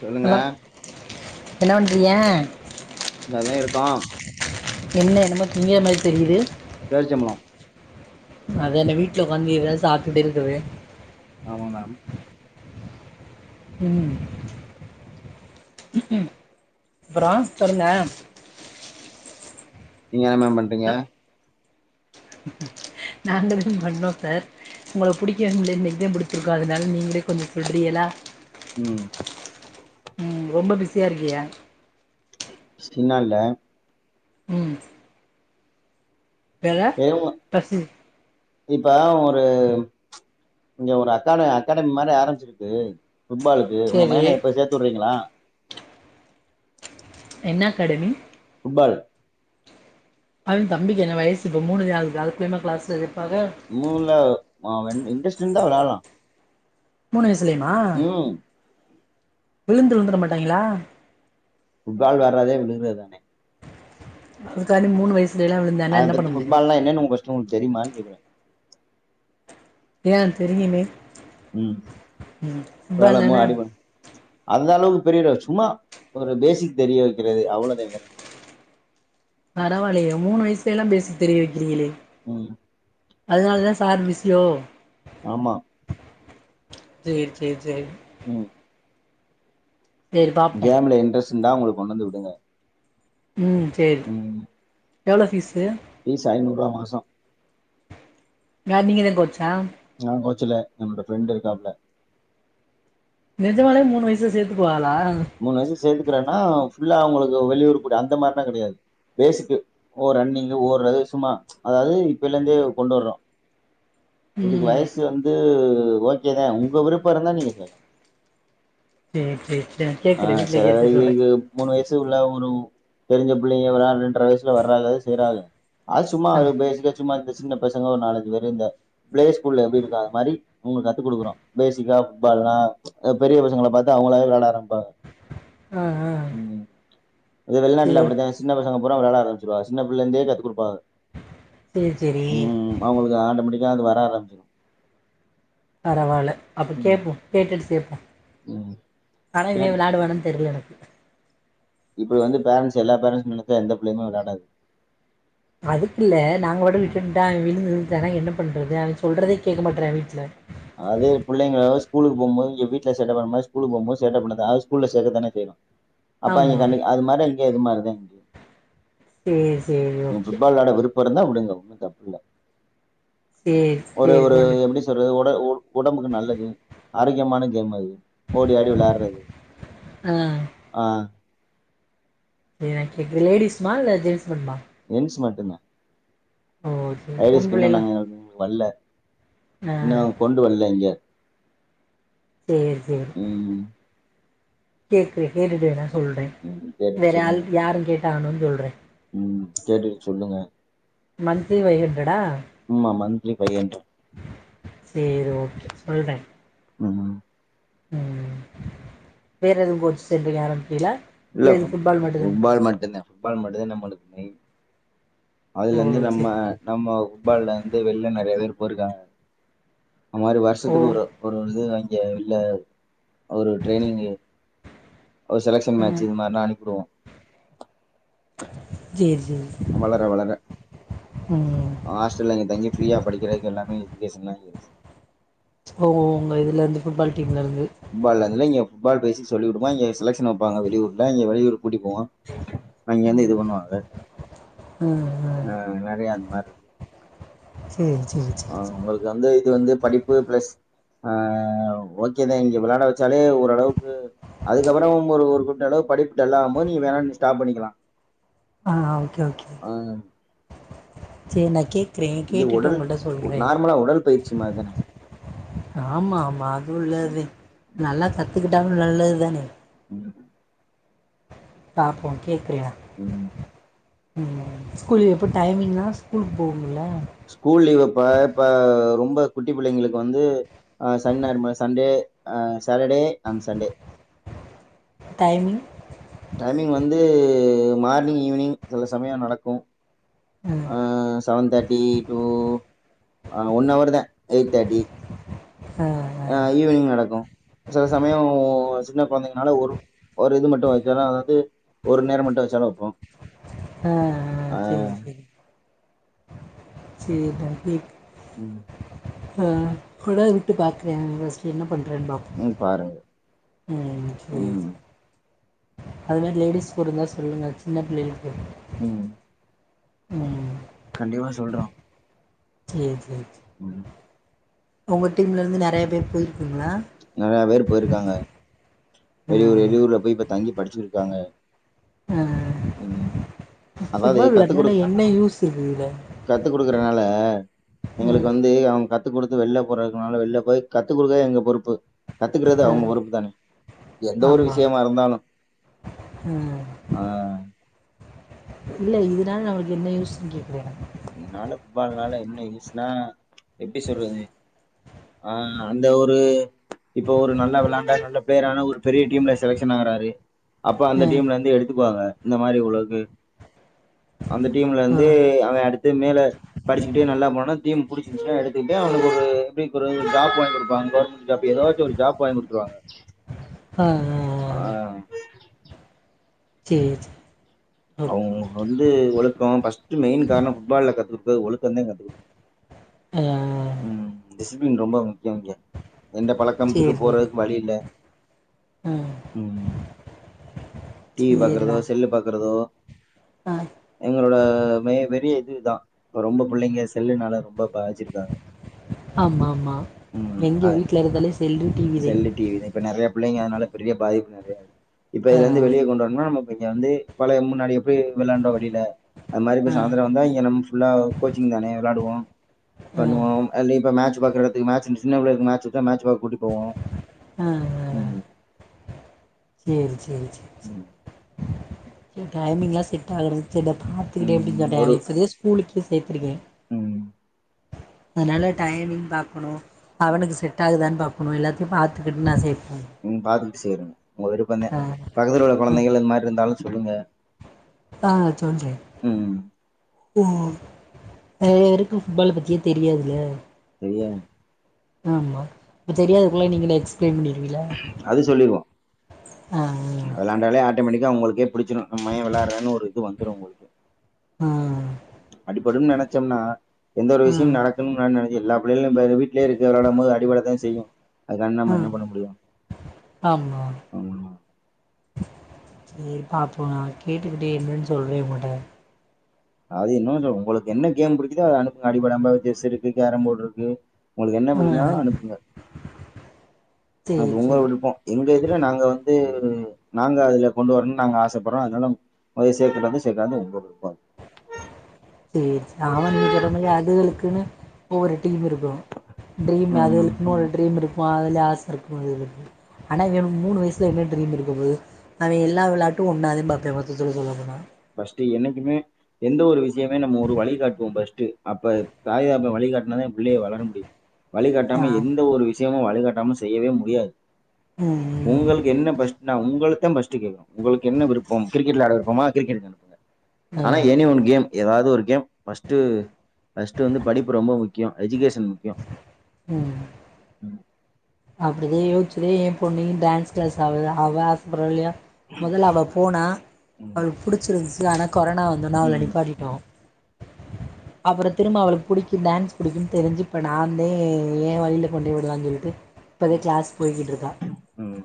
சொல்லுங்க ஹலோ என்ன பண்றீங்க [inaudible] இதானே இருக்கோ என்ன என்னமோ திங்கிர மாதிரி தெரியுது பேர்ச்சம்பளம் அதென்ன வி வீட்ல உக்காந்துட்டு இதுதான் சாப்டுட்டு இருக்குவே ஆமா மேம் உம் பிரான்ஸ் தெர்ல நீங்க என்ன மேம் பண்றீங்க நாங்களும் பண்ணோம் சார் உங்களை புடிக்கவே முடியல இன்னக்கிதா புடிச்சுருக்கோம் அதனால நீங்களே கொஞ்சம் சொல்றீயலா உம் ம் ரொம்ப பிஸியா இருக்கியா சின்ன இல்ல உம் பெற ஏங்க பசி இப்ப ஒரு இங்க ஒரு அக்காட அகாடமி மாதிரி ஆரம்பிச்சிருக்கு புபட்பாலுக்கு உங்க சரி மையனை இப்போ சேர்த்த விடறீங்களா என்ன கடனி ஃபுட்பால் அவன் தம்பிக்கு என் வயச இப்ப மூதான் ஆ இருக்கு அதுக்குள்ளுமா கிளாஸ் ஊலவாவேன் இன்டரஸ்ட் இருந்தா விளையலாம் மூணு வயசிலேவா விழுந்து விழுந்துட மாட்டாங்களா புட்பால் வராதே விழுகுறது தானே அதுக்கலம் மூணுவயசு அதை பத்தி ஃபுட்பால்னா என்னன்னங்க கஷம் சரிம்மான்னு கேடறேன் ஏன் தெரியுமே உம் ம் அதா வேளமோ இல்லனா அடி பண்ண அந்த அளவுக்கு பெரிய சும்மா கொஞ்சம் பேசிக் தெரிய வைக்கிறது அவ்வளவுதான் விர பரவில்லைய மூணு வயதிலேயே பேசிக் தெரிய வைக்கிறீங்களே உஹம் அதனால தான் சார் மிசியோ ஆமா ஜெரி ஜெரி ஜெரி உம் செரி பாப்பம் அதா உங்கள கொண்டு வந்து விடல உம் செரி எவ்ளோ பீஸ் பீஸ் ஐநூறு ரூபா மாசம் நீங்க தா கோச்சா நான் கோச்சில என்னோட ஃப்ரெண்ட் இருக்காப்புல நெஜமாலே மூணு வயசுல சேர்த்துக்குவால ப சேத்துக்கிறேன்னா ஃபுல்லா அவங்களுக்கு வெளியூறு கூடி அந்த மாரிலா கடையாது பேஸிக்கு ஒ ரன்னிஙு ஒது சும்மா அதாவது இப்பலந்தே கொண்டு வறோம் இதுக்கு ம் வயசு வந்து ஓகேதான் உங்க விருப்பம் இருந்தா நீங்க சேலாம் சேர் சேர் ஆஹ் ச மூணுவயஸ் உள்ள ஒரு தெரிஞ்ச பிள்ளைங்க இரண்டரை வயசுல வர்றாங்க செய்றாங்க அது சும்மா ஆ பேஸிக்கா சும்மா சின்ன பசங்க ஒரு நாலஞ்சு பேர் இந்த பிளே ஸ்கூல்ல எப்படி இருக்க அந்த மாரி அவங்களுக்கு கத்துக் கொடுக்கற பேசிக்கா பால் லா பெரிய பசங்கள பாத்து அவங்களா வெளையாட ஆரம்ப பா ஆ ஆ உம் அது வெளிநாட்டுல சேரி அப்படித்தான் சின்ன பசங்க முற விளையட ஆரம்பிச்சிருவாங்க சின் பிள்ளைலருந்தே கத்து கொடுப்பங்க சேரி சேரி உம் அவங்களுக்கு ஆட்டாமெட்டிக் கா வர ஆரம்மிச்சிரும் பரவால அப்ப கேட்போம் கேட்டுட்டு சேப்போம் ம் ஆனா இவே கேட் விளாடுவானா தெரில எனக்கு இப்டி வந்து பேரன்ட்ஸ் எல்லா பேரண்ட்ஸ் நெனச்சா எந்த பிள்ளைமே விளாடாது அதுக்கு இல்ல நாங்க விட ம் விட்டுட் தான் விழு ந்தான்ன என்ன பண்றது அவன் சொல்றதே கேட்க மாட்றான் வீட்டுல அது பிள்ளைங்களாவ ஸ்கூல் போகும் போது வீட்ல சேட்ட பண்ணற மாரி ஸ்கூல் போகும் போது சேட்ட பண்ணது ஸ்கூல்லல சேக்க தானே செய்யனும் அப்பா இங்க ஆமா. கண்டிக்க அது மாரி எது மாரிதேன் சேர் சேரி ஓகே அப்புறந்தா விடுங்க ஒண்ணும் தப்புல சேரி, ஒரு சேரி ஒரு பொண்ணு. எப்படி சொல்றது உடம்புக்கு நல்லது ஆரோக்கியமான கேம்து ஓடி அடி விளையாடுறது ஆ ஆஹ் சரி நான் கேக்குேன்லேடிீஸ்மா இல்ல ஜென்்ஸ்மண்மா என்ஸ் மட்டு்த ஓ சரி ஐலஷ கனும் பொம்பளைலாம் நாங்கங்களுக்கு வல்ல ஆ இன்னும் அவங்க கொண்டு வரல இங்க சரி சரி ம் கேட கே கேட்டுட்டு வேனா சொல்றேன் ம் வேறால் யாரும் கேட்டு தானும்ன்ன சொல்கிறன் உம் கேட்டுட்டு சொல்லுங்க மன்சி வைகண்டடா ஆமா மந்த்த்லி பதின் சரி ஓகே சொல்றேன் ஆஹ உம் வேற எதுவும் கோச்ச சென்றங்க ஆரம்ப தெல இல்ல புட்பால் மட்டும்தான் புட்பால் மட்டும்தான் நம்மளுக்கு மெயின் அதுல இருந்து ஓ நம்ம சரி. நம்ம புட்பாலல வந்து வெளில நிறைய பேர் ஒருருக்கா [inaudible] அது மாதிரி ஓ வருஷத்துக்கு ஒரு ஒரு இது இல்ல ஒரு ட்ரைனிங் செலக்ஷன் மேச் ம். இது மாதிரி நாம் அனுப்பிடுவோம் சரி வளர வளர ம். ஹாஸ்டல இங்க தங்கி ஃப்ரீயா படிக்கக்கு எல்லாமே சொன்னங்க ஓ உங்க இதுல இருந்து புட்பால் டீம்ல இருந்து புட் பால்ல புட்பால் பேசி சொல்லிடுமா எங்க செலக்ஷன் வப்பாங்க வெளூர்ல எங்க வெளியூர் கூட்டி போவோம் அங்க இருந்து இது பண்ணுவாங்க ம், ம். ஆஹ் நிறைய அந்த மாதிரி இருக்கு சரி சரி சரி ஆஹ் சரி உங்களுக்கு வந்து இது வந்து படிப்பு பிளஸ் ஆஹ் ஓகேதான் இங்க விளாட வச்சாலே ஓரளவுக்கு அதுக்கப்புறம் ஒரு குட்டு அளவு படிப்புட்டு எல்ல ஆம் போது நீங்க வேணா ஸ்டாப் பண்ணிக்கலாம் ஆ ஓகே ஓகே ஆ சரினக்கி இது கேட்டுட்டு உடல் உங்ககிட்ட சொல்றேன் நார்மலா உடல் பயிற்சி மாரி தான ஆமா ஆமா அது உள்ளது நல்லா த கத்துக்கிட்டாலும் நல்லது தான பாப்போம் கேக்றேன் உம் ம் ஸ்கூலு எப்போ டைமிங்னா ஸ்கூலுக்கு போகனும்ல ஸ்கூல் லீவப்ப இப்ப ரொம்ப குட்டி பிள்ளைங்களுக்கு வந்துஹ் சனி சண்டேஹ Saturday and Sunday timing timing வந்து மார்னிங் ஈவினிங் சில சமயம் நடக்கும் ஆ ஆஹ் செவன் தேட்டி டூ ஆஹ் ஒன் அவர் தான் எயிட் தேர்டி ஆ ஆ ஆஹ் ஈவினிங் நடக்கும் சில சமயம் சின்னகுழந்தைங்கனால ஒரு ஒரு இது மட்டும் வச்சாலும் அதாவது ஒரு நேரம் மட்டும் வச்சாலும் வப்போம் ஆஹ்ஹ் சேரி சேரி சேரி நான் கேக்கிறேன் உம் கொண்டாந்து விட்டு பாக்குறேன் ஃபர்ஸ்ட் என்ன பண் ரெண்டும் ம் பாருங்க உம் சேரி ம் அது மாரி லேடிஸ் கூட இருந்தா சொல்லுங்க சின்ன பிள்ளைகளுக்கு உம் உம் கண்டிப்பா சொல்றோம் சேரி சேரி ம் உங்க டீம்ல இருந்து நறைய பேர் போய் நறைய பேர் போயிருக்காங்க வெளியூர் ம் வெளியூர்ல போய்ப் இப்ப தங்கி படிச்சிருக்காங்க ஆஹ் உம் ஃபுட்பால் விளையாட்னா என்ன யூஸ் இருக்கு இதுல கத்துக் குடுக்கறனால எங்களுக்கு ம் வந்து அவுங்க கத் கத்து கொடுத்து வெள்ல போறதுனால வெள்ல போய் கத்துக் குடுக்கிறது எங்க பொறுப்பு கத்துக்கிறது ஆ அவுங்க பொறுப்பு தானே எந்த ஒரு ஆமா விஷயமா இருந்தாலும் ம் ஆஹ் இல்ல இதுனால நமளுக்கு என்ன யூஸ்ன்னு கேக்குறேன் ஃபுட் பாலால என்ன யூஸ்னா எப்படி சொல்றது ஆஹ் அந்த ஒரு இப்ப ஒரு நல்ல விளையாண்டா நல்ல பிளேயர் ஒரு பெரிய டீம்ல செலக்சன் ஆகுறாரு அப்ப அந்த ம் டீம்ல இருந்து எடுத்துக்குவாங்க இந்த மாரி உள்ளது அந்த டீம்ல ஆ இருந்து அவன் அடுத்து படிச்சுக்கிட்டே நல்லா போன டீம் புடிச்ச எடுத்துக்கிட்ட அவனு ஒரு எப்டி ஒரு ஜாப் வாங்கி குடுப்பாங்க கவேர்ந்மேன்ட் ஜாப் ஏதாச்சும் ஒரு ஜாப் வாங்கி கொடுத்துருவாங்க ஆ ஆ ஆ ஆ ஆஹ் சேரி சேரி ஓகே அவங்க வந்து ஒழுக்கம் ஃபர்ஸ்ட் மெயின் காரணம் ஃபுட்பால் கத்து இப்ப ஒழுக்கம்தான் கத்து கொடு ஆ உம் டிசிப்ளின் ரொம்ப எந்த சேரி பழக்கத்துக்கும் சேரி போறதுக்கு வழி இல்ல ம் உம் டிவி சேரிடா பாக்குறதோ செல்லு பாக்குறதோ ஆ எங்களோட மே வெரிய இதுதான் இப்ப ரொம்ப பிள்ளைங்க செல்லுனால ரொம்ப பாதிச் ஆமா மா எங்க வீட்ல இருந்தாலே செல்லு டிவி தே சொல்லு டிவி தேன் இப்ப நிறைய பிள்ளைங்க அதனால பெரிய வாய்ப்பு நிறைய இருக் இப்போ ஆ இதுல இருந்தது வெளிய கொண்டு வரணும்னா இவாங்க வந்து பலைய முன்னாடி பே விளாண்டோ வெளில அது மாரி இப்போ ஆ சாயந்தரோ வந்தா இங்க நம்ப ஃபுல்லா கோச்சிங் தானே விளாடுவோ ஆ பண்ணுவோ அல் இப்ப மேச் பாக்கறத்துக்கு மேச் இச்சுன்னா சின்ன பிள்ளைங்களுக்கு மேச் இருன்ச்சினா மேச் பாக்க கூட்டி போ [unintelligible] போவோம் ஆஹ் ஆஹ் சேரி சேரி ம் டைமிங்ளா செட் ஆகுற செல்ல பாத்துக்கிட்டே எப்டி ம் சொல்றா ஒரு இப்பதே ஸ்கூலுக்கே சேர்த்திருக்கே ம் அனால டைமிங் பாக்கணு அவனுக்கு செட் ஆகுதானு பாப் எல்லாத்தையும் பாத்துக்கிட்டு நா செ உம் சேரி உங்க வீட்டுக்கு வந்தேன் பக்கத்ல உள்ள குழந்தைகள் இந்த மாரி இருந்தாலு சொல்லுங்க ஆஹ் சொல்றே ம் ஓ நிறைய பேருக்கு ஃபுட்பாலு பத்தியே தெரியாதுல தெரியா ஆமா இப்ப தெரியாதுக்குள்ள நீங்களே எக்ஸ் பிளான் பண்ணுறிவீங்களா வெளாண்டாலே ஆட் டமெட்டிக்கா உங்களுக்கே புடிச்சிரு நம்ம ஏ வெளாட்றனு ஒரு இது வந்துரு உங்களுக்கு ஆ அடிபடும் நெனச்சம்னா எந்த ஒரு ஆ விஷ்யம் ஆ நடக்கும் ந நெ எல்லா பிள்ளையிலு வீட்லயே இருக்க வெளாடும்போது அடிபட தா செய்யு ம் ஆமா ஆமா சேரி பாப்போ நா கேட்டுக்கிட்டே என்னன் சொல்றே உங்கட்ட அது இன்னோ உங்களுக்கு என்ன கேம் புடிக்குதோ அது அனுப்புங்க அடிபடமா செஸ் இருக்கு கேரம் போட்ருக்கு உங்களுக்கு என்ன ஆ புடிக்கு அனுப்புங்க அது சேரி உங்க சேரி விருப்போ எங்க இதுல நாங்க வந்து து நாங்க அதுல கொண்டு வரனு நாங்க ஆசப்பறோ அதனால [unintelligible] சேக்குறது சேக்காதது உங்க விருப்போ சேரி ஆமா நீங்க சொன்ன மாரி அதுகளுக்குனு ஒவ்வொரு டீம் இருக்கு ட்ரீம் அது ம் அதுகளுக்குனு ஒரு ட்ரீம் இருக் அதுல ஆச இருக்கு அதுகளுக்கு ஆனா இவெ மூணு வயசுல என்ன ட்ரீம் இருக்க போது அவெ எல்லா வெளாட்டு ஒன்னா தா பாப்பே மொத்தத்துல சொல்ல போனா ஃபஸ்ட்டு என்னைக்குமே எந்த ஒரு விஷ்யமே நம்ம ஒரு வழிகாட்டுவோ ஃபஸ்ட்டு அப்ப தாய் தகப்பெ வழிகாட்னாதே புள்ளைய வளர முடியு ஆ வழிகாட்டாம எந்த ஒரு வி ச்யமா வழிகாட்டாம செய்யவே முடியாது ம் ம் உங்களுக்கு என்ன ப்ரச்ன உங்களுக் தம் ஃபஸ்ட்டு கேக்கனு உங்ளுக்கு என்ன விருப்பம் கிரிக்கெட் விளாட விருப்பமா கிரிக்கெட்கு அனுப்புங்க ஆ ஆனா எனி ஒன் கேம் எதாது ஒரு கேம் ஃபஸ்ட்டு ஃபஸ்ட்டு வந்து படிப்பு ரொம்ப முக்கியொ எஜிகேஷன் முக்கியொ உம் அப்டிதா யோச்சுதே ஏ பொண்ணையு டான்ஸ் கிளாஸ் அவ ஆசப்படுறால்லொயோ மொதல்ல அவ போனா ம், அவளுக்கு புடிச்சிருந்துச்சு ஆனா கொரோனா வந்தோனா அவள ம், நிப்பாட்டிட்டோ அப்புறொ திரும்ப அவளுக்கு புடிக்கு டான்ஸ் புடிக்கும்னு தெரிஞ்சு இப்ப நாந்தே ஏ வழில கொண்டொய் விடலான் சொல்ட்டு இப்பதே கிளாஸ் போய்கிட்ருக்கா ம்,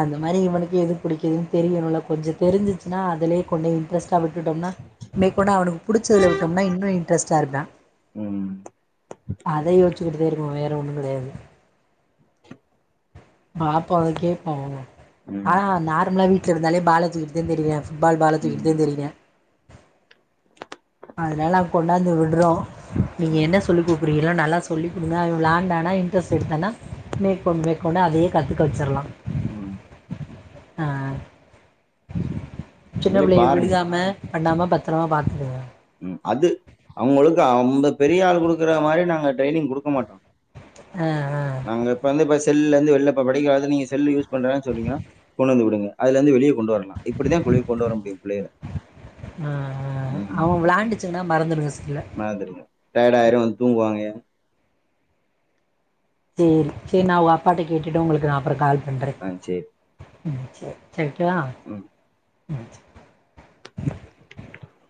அந்த மாரி இவனுக்கு எது பிடிக்குது தெரியனுல்ல கொஞ்ச தெரிஞ்சுச்சினா அதுலேய் கொண்டய் இன்ட்ரெஸ்ட் டா விட்டுட்டோம்னா மேகொண்டு அவனுக்கு புடிச்சதலு விட்டோம்னா இன்னு இன்ட்ரெஸ்ட்டா இருப்பியா ம், அதையோச்சு [unintelligible] இருக்கு வேற ஒன்னு கெடையாது பாப்பாவுக்கே பாவொ ஆ ம், ஹா நார்மலா வீ ட்ல இருந்தாலே பாலாஜி ‌வீடுதே தெரியு பால் பாலாஜி வீடுதே ம், தெரிவியா அதுனால கொண்டாந்து விட்றோ நீங்க ம், என்ன சொல்லிக் கொடுக்குறீங்களோ நல்லா சொ சொல்லி கொடுங்க அவன் விளான்டானா இன்ட்ரெஸ்ட் எடுத்தானா மேகொண்டு மேகொண்டு அதையே கத்துக்க வச்சுர்லாம் ம். அம் சின்ன நீங்களே பிள்ளைக பாருங்க. விழுகாம பண்ணாம பத்திரமாக பாத்துக்கங்க ம் அது அவங்களவுக்கு அவங்க பெரிய ஆள் குடுக்குற மாதிரி நாங்க ட்ரைனிங் கொடுக்க மாட்டோம் ஆ ஆ நாங்க இப்ப வந்து இப்ப செல்ல வெளில படிக்கவாவது நீங்க செல்லு யூஸ் பண்றதுனா சொல்றீங்கனா கொண்டு வந்து விடுங்க அதுலேந்து வெளிய கொண்டு வாங்க இப்படித்தான் குழிக்கு கொண்டு வர முடியும் பிள்ளைைய உம் விளாண்டிச்சுங்கன்னா மறந்துடுங்க செல்ல டயட் ஆயிரும் தூங்குவாங்க சரி சரி நா வோ அப்பாட்ட கேட்டுட்டு உங்களுக்கு அப்புறம் கால் பண்ணுறேன் ஆஹ் சரி ம் சேரி சேரி போலா ம். [inaudible]